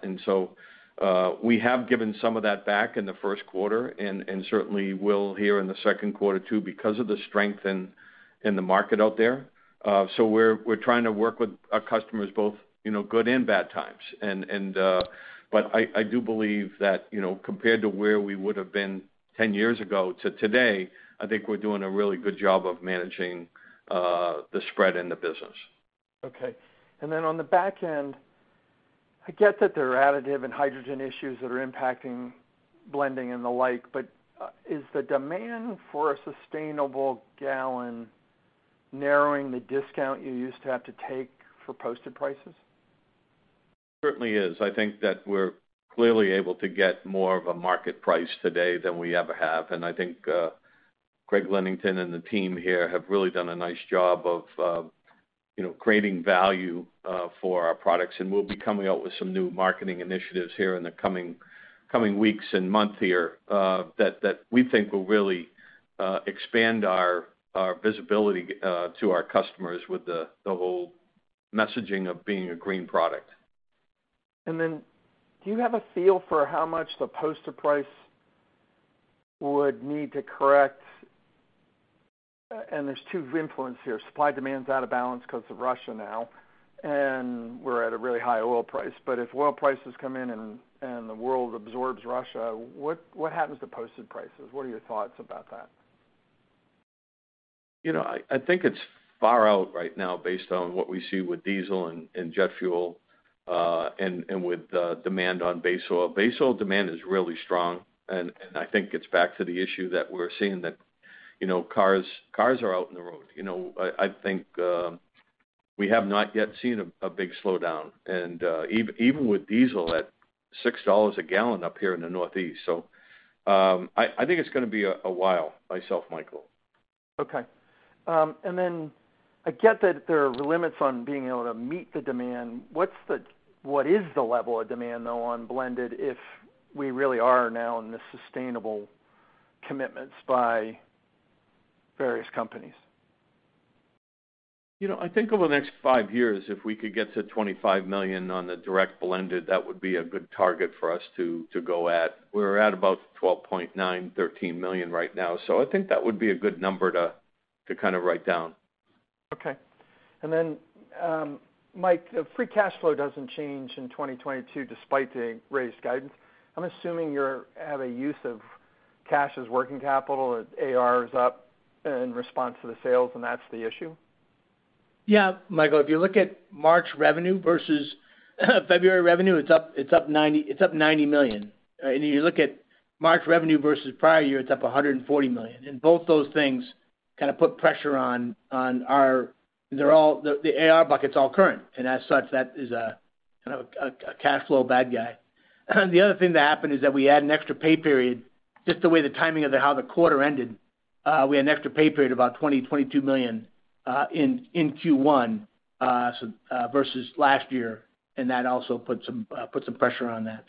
We have given some of that back in the first quarter, and certainly will here in the second quarter too because of the strength in the market out there. We're trying to work with our customers both, you know, good and bad times. I do believe that, you know, compared to where we would have been 10 years ago to today, I think we're doing a really good job of managing the spread in the business. Okay. Then on the back end, I get that there are additive and hydrogen issues that are impacting blending and the like, but is the demand for a sustainable gallon narrowing the discount you used to have to take for posted prices? Certainly is. I think that we're clearly able to get more of a market price today than we ever have. I think Craig Linington and the team here have really done a nice job of, you know, creating value for our products. We'll be coming out with some new marketing initiatives here in the coming weeks, and month here that we think will really expand our visibility to our customers with the whole messaging of being a green product. Do you have a feel for how much the posted price would need to correct? There's two influences here. Supply and demand's out of balance because of Russia now, and we're at a really high oil price. If oil prices come in and the world absorbs Russia, what happens to posted prices? What are your thoughts about that? You know, I think it's far off right now based on what we see with diesel and jet fuel, and with the demand on base oil. Base oil demand is really strong, and I think it's back to the issue that we're seeing that, you know, cars are out on the road. You know, I think we have not yet seen a big slowdown, even with diesel at $6 a gallon up here in the Northeast. I think it's going to be a while myself, Michael. Okay. Then I get that there are limits on being able to meet the demand. What is the level of demand though on blended, if we really are now in the sustainable commitments by various companies? You know, I think over the next five years, if we could get to $25 million on the direct blended, that would be a good target for us to go at. We're at about $12.9 million-$13 million right now. I think that would be a good number to kind of write down. Okay. ThenMike, free cash flow doesn't change in 2022 despite the raised guidance. I'm assuming you're at a use of cash as working capital, AR is up in response to the sales, and that's the issue? Yeah, Michael, if you look at March revenue versus February revenue, it's up $90 million. If you look at March revenue versus prior year, it's up $140 million. Both those things kind of put pressure on the AR bucket, which is all current. As such, that is kind of a cash flow bad guy. The other thing that happened is that we had an extra pay period, just the timing of how the quarter ended, we had an extra pay period about $22 million in Q1 versus last year, and that also put some pressure on that.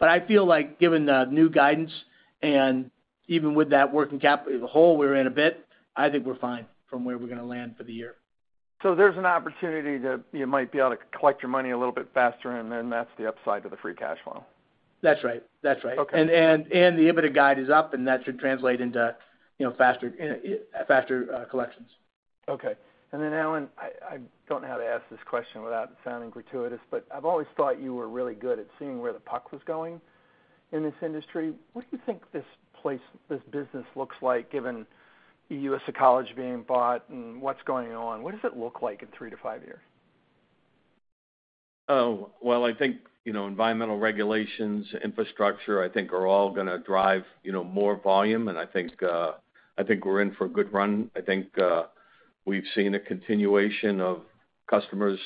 I feel like given the new guidance and even with that working capital, the hole we're in a bit, I think we're fine from where we're going to land for the year. There's an opportunity you might be able to collect your money a little bit faster, and then that's the upside to the free cash flow. That's right. Okay. The EBITDA guide is up, and that should translate into, you know, faster collections. Okay. Alan, I don't know how to ask this question without sounding gratuitous, but I've always thought you were really good at seeing where the puck was going in this industry. What do you think this business looks like given US Ecology being bought, and what's going on? What does it look like in three to five years? Well, you know, environmental regulations, infrastructure, I think are all going to drive, you know, more volume. I think we're in for a good run. I think we've seen a continuation of customers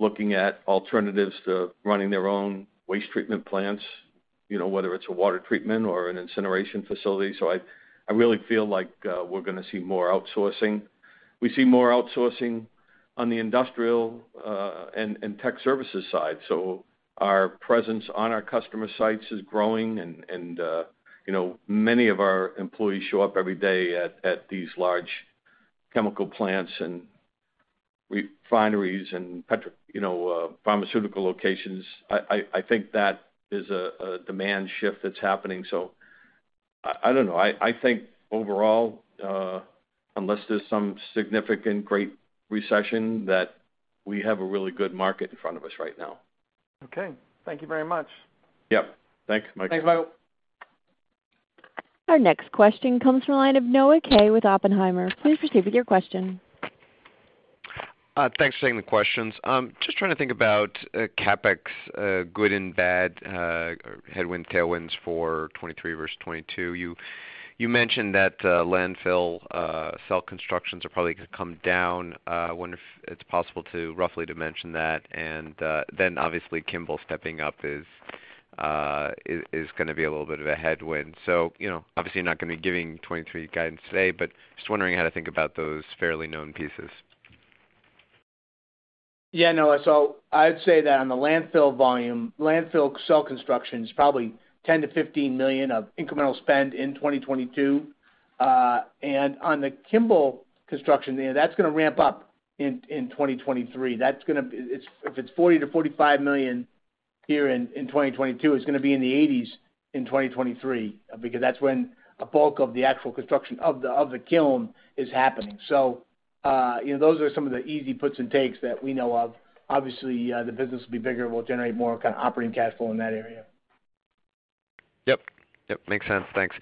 looking at alternatives to running their own waste treatment plants, you know, whether it's a water treatment or an incineration facility. I really feel like we're going to see more outsourcing. We see more outsourcing on the industrial and tech services side. Our presence on our customer sites is growing, and you know, many of our employees show up every day at these large chemical plants and refineries, and pharmaceutical locations. I think that is a demand shift that's happening. I don't know, I think overall, unless there's some significant great recession, that we have a really good market in front of us right now. Okay. Thank you very much. Yep. Thanks, Michael. Thanks, Michael. Our next question comes from the line of Noah Kaye with Oppenheimer. Please proceed with your question. Thanks for taking the questions. Just trying to think about CapEx, good and bad, headwind, tailwinds for 2023 versus 2022. You mentioned that landfill cell constructions are probably going to come down. I wonder if it's possible to roughly dimension that. Obviously, Kimball stepping up is going to be a little bit of a headwind. You know, obviously you're not going to be giving 2023 guidance today, but just wondering how to think about those fairly known pieces. Yeah, Noah. I'd say that on the landfill volume, landfill cell construction is probably $10 million-$15 million of incremental spend in 2022. On the Kimball construction, yeah, that's going to ramp up in 2023. If it's $40 million-$45 million here in 2022, it's going to be in the 80s in 2023, because that's when a bulk of the actual construction of the kiln is happening. You know, those are some of the easy puts and takes that we know of. Obviously, the business will be bigger. We'll generate more kind of operating cash flow in that area. Yep. Yep, makes sense. Thanks.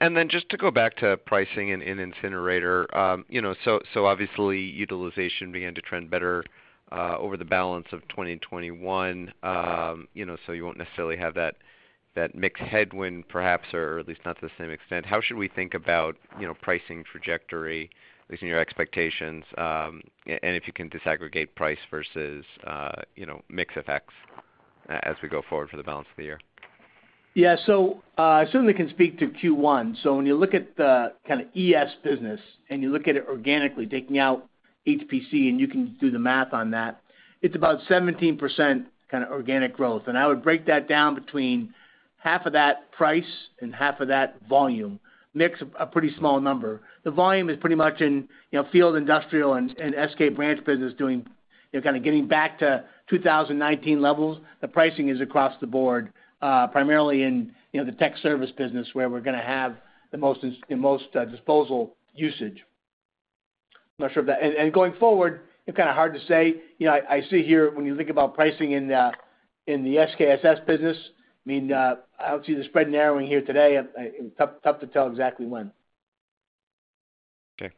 Then just to go back to pricing in incinerator, you know, obviously, utilization began to trend better over the balance of 2021, you know, so you won't necessarily have that mixed headwind perhaps or at least not to the same extent. How should we think about, you know, pricing trajectory, at least in your expectations, and if you can disaggregate price versus, you know, mix effects as we go forward for the balance of the year? Yeah, I certainly can speak to Q1. When you look at the kind of ES business and you look at it organically, taking out HPC, and you can do the math on that, it's about 17% kind of organic growth. I would break that down between half of that price and half of that volume. Mix a pretty small number. The volume is pretty much in, you know, field industrial and SK branch business. You're kind of getting back to 2019 levels. The pricing is across the board, primarily in, you know, the tech service business, where we're going to have the most disposal usage. I'm not sure of that. Going forward, you know, kind of hard to say, you know, I see here when you think about pricing in the SKSS business, I mean, I don't see the spread narrowing here today. Tough to tell exactly when. Okay.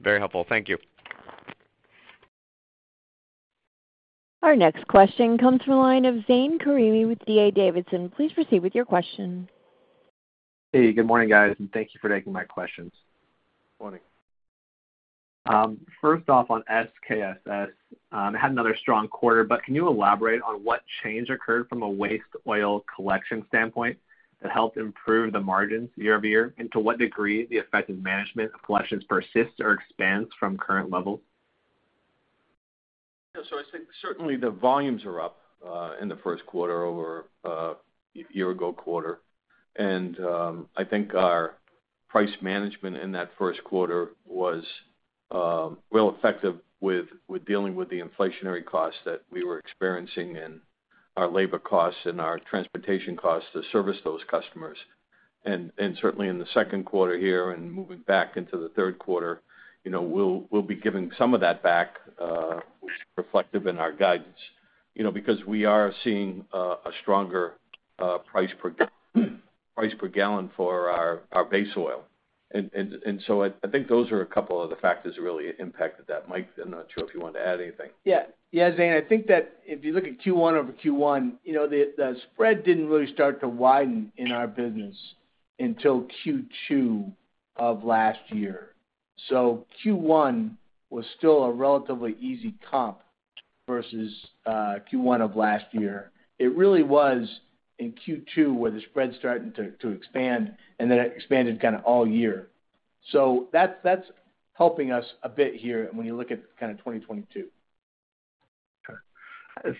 Very helpful. Thank you. Our next question comes from the line of Zane Karimi with D.A. Davidson. Please proceed with your question. Hey, good morning, guys, and thank you for taking my questions. Morning. First off on SKSS, had another strong quarter, but can you elaborate on what change occurred from a waste oil collection standpoint that helped improve the margins year-over-year, anf to what degree the effect in management of collections persists or expands from current levels? Yeah. I think certainly the volumes are up in the first quarter over year-ago quarter. I think our price management in that first quarter was real effective, with dealing with the inflationary costs that we were experiencing in our labor costs and our transportation costs to service those customers. Certainly, in the second quarter here and moving back into the third quarter, you know, we'll be giving some of that back, which is reflective in our guidance. You know, because we are seeing a stronger price per gallon for our base oil. I think those are a couple of the factors that really impacted that. Mike, I'm not sure if you wanted to add anything. Yeah. Yeah, Zane, I think that if you look at Q1 over Q1, you know, the spread didn't really start to widen in our business until Q2 of last year. Q1 was still a relatively easy comp versus Q1 of last year. It really was in Q2 where the spread started to expand, and then it expanded kind of all year. That's helping us a bit here when you look at kind of 2022. Okay.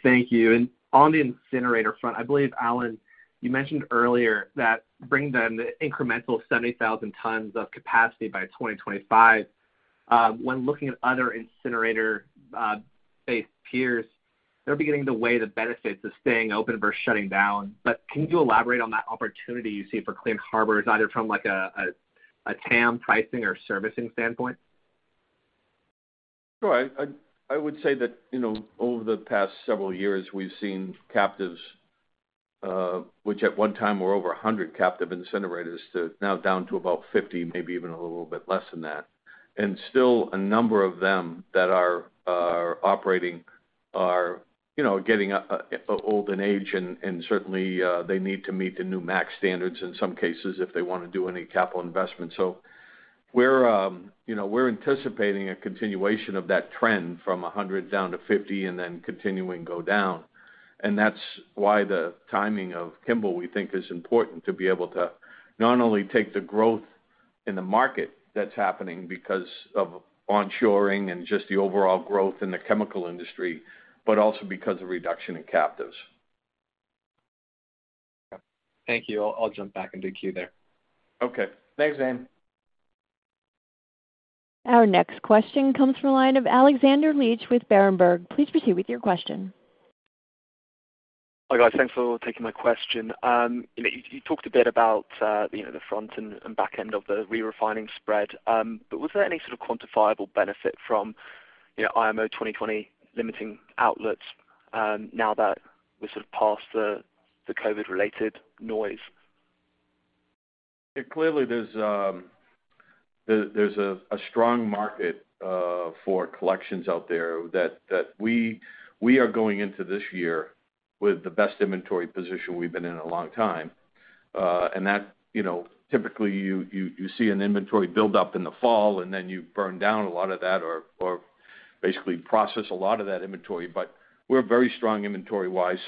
Thank you. On the incinerator front, I believe, Alan, you mentioned earlier that bringing in the incremental 70,000 t of capacity by 2025. When looking at other incinerator-based peers, they're beginning to weigh the benefits of staying open versus shutting down. Can you elaborate on that opportunity you see for Clean Harbors, either from like a TAM pricing or servicing standpoint? Sure. I would say that, you know, over the past several years, we've seen captives, which at one time were over 100 captive incinerators to now down to about 50, maybe even a little bit less than that. Still, a number of them that are operating are, you know, getting old in age and certainly they need to meet the new MACT standards in some cases, if they want to do any capital investment. You know, we're anticipating a continuation of that trend from 100 down to 50, and then continuing to go down. That's why the timing of Kimball, we think is important to be able to not only take the growth in the market that's happening, because of onshoring and just the overall growth in the chemical industry, but also because of reduction in captives. Yeah. Thank you. I'll jump back into queue there. Okay. Thanks, Zane. Our next question comes from the line of Alexander Leach with Berenberg. Please proceed with your question. Hi, guys. Thanks for taking my question. You know, you talked a bit about, you know, the front and back end of the re-refining spread. Was there any sort of quantifiable benefit from, you know, IMO 2020 limiting outlets, now that we're sort of past the COVID-related noise? Yeah. Clearly, there's a strong market for collections out there that we are going into this year, with the best inventory position we've been in a long time. That, you know, typically, you see an inventory build up in the fall, and then you burn down a lot of that or basically process a lot of that inventory. We're very strong inventory-wise.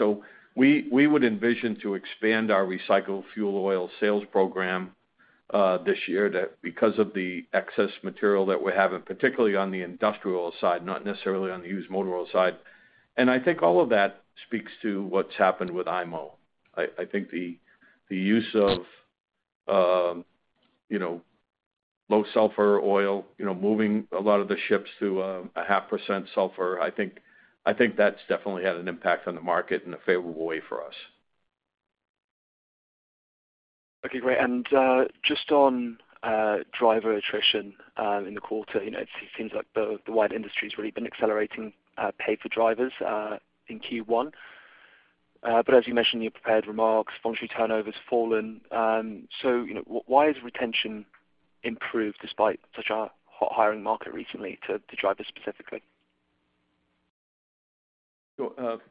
We would envision to expand our recycled fuel oil sales program this year, that because of the excess material that we're having, particularly on the industrial side, not necessarily on the used motor oil side. I think all of that speaks to what's happened with IMO. I think the use of, you know, low sulfur oil, you know, moving a lot of the ships to 0.5% sulfur, I think that's definitely had an impact on the market in a favorable way for us. Okay, great. Just on driver attrition in the quarter. You know, it seems like the waste industry's really been accelerating pay for drivers in Q1. As you mentioned in your prepared remarks, voluntary turnover's fallen. You know, why is retention improved despite such a hot hiring market recently to drivers specifically?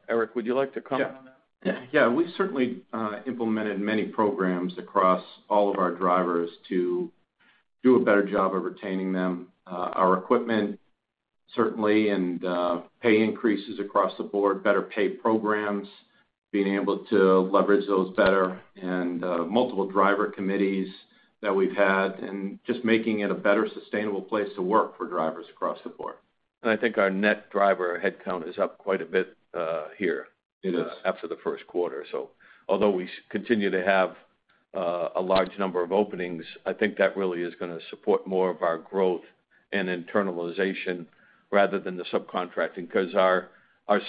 Eric, would you like to comment on that? Yeah. Yeah, we've certainly implemented many programs across all of our drivers to do a better job of retaining them. Our equipment certainly and pay increases across the board, better pay programs, being able to leverage those better, and multiple driver committees that we've had, and just making it a better sustainable place to work for drivers across the board. I think our net driver headcount is up quite a bit here. It is. After the first quarter. Although we continue to have a large number of openings, I think that really is going to support more of our growth and internalization rather than the subcontracting. Because our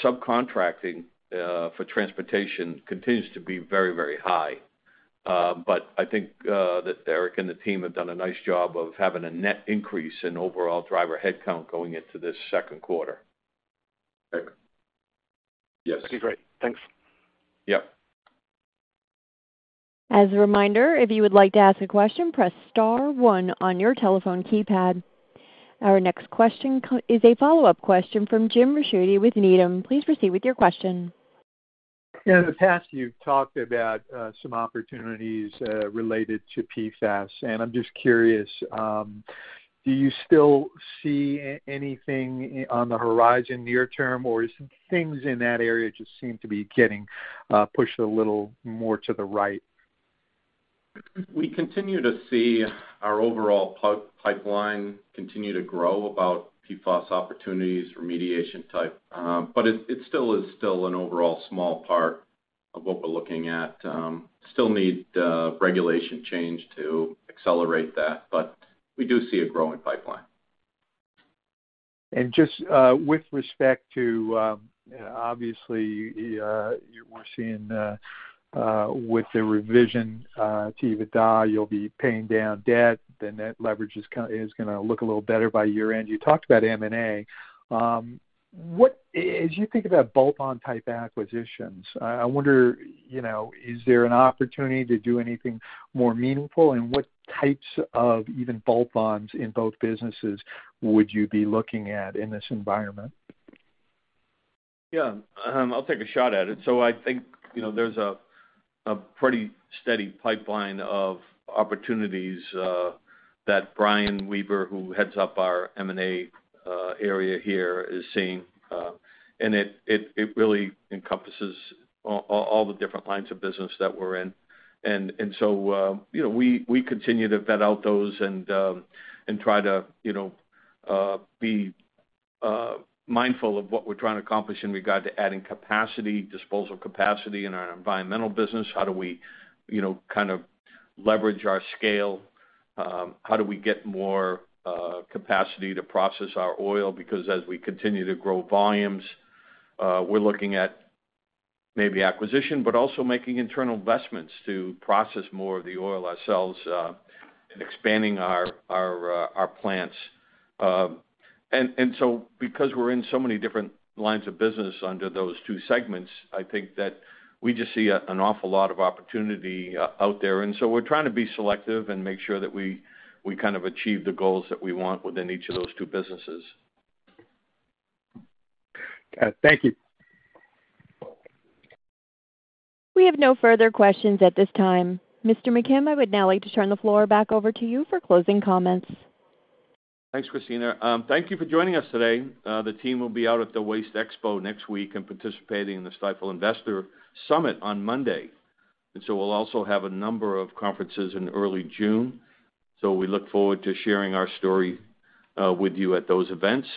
subcontracting for transportation continues to be very, very high. I think that Eric and the team have done a nice job of having a net increase in overall driver headcount going into this second quarter. Eric? Yes. That'd be great. Thanks. Yep. As a reminder, if you would like to ask a question, press star, one on your telephone keypad. Our next question is a follow-up question from Jim Ricchiuti with Needham. Please proceed with your question. Yeah. In the past, you've talked about some opportunities related to PFAS. I'm just curious, do you still see anything on the horizon near term, or is things in that area just seem to be getting pushed a little more to the right? We continue to see our overall pipeline continue to grow about PFAS opportunities, remediation type, but it's still an overall small part of what we're looking at. Still need regulation change to accelerate that, but we do see a growing pipeline. Just with respect to, obviously we're seeing with the revision to EBITDA, you'll be paying down debt, the net leverage is going to look a little better by year-end. You talked about M&A. As you think about bolt-on type acquisitions, I wonder, you know, is there an opportunity to do anything more meaningful? What types of even bolt-ons in both businesses would you be looking at in this environment? Yeah, I'll take a shot at it. I think, you know, there's a pretty steady pipeline of opportunities that Brian Weber, who heads up our M&A area here is seeing, and it really encompasses all the different lines of business that we're in. We continue to vet out those and try to be mindful of what we're trying to accomplish in regard to adding capacity, disposal capacity in our environmental business. How do we kind of leverage our scale? How do we get more capacity to process our oil? Because as we continue to grow volumes, we're looking at maybe acquisition, but also making internal investments to process more of the oil ourselves, and expanding our plants. Because we're in so many different lines of business under those two segments, I think that we just see an awful lot of opportunity out there. We're trying to be selective, and make sure that we kind of achieve the goals that we want within each of those two businesses. Got it. Thank you. We have no further questions at this time. Mr. McKim, I would now like to turn the floor back over to you for closing comments. Thanks, Christina. Thank you for joining us today. The team will be out at the WasteExpo next week, and participating in the Stifel Investor Summit on Monday. We'll also have a number of conferences in early June. We look forward to sharing our story with you at those events.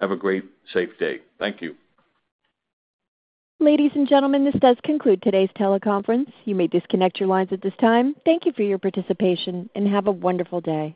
Have a great, safe day. Thank you. Ladies and gentlemen, this does conclude today's teleconference. You may disconnect your lines at this time. Thank you for your participation, and have a wonderful day.